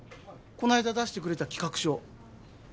こないだ出してくれた企画書。